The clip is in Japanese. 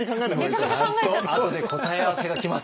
ちゃんとあとで答え合わせが来ます。